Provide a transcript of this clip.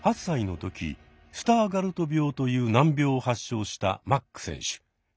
８歳の時スターガルト病という難病を発症したマック選手。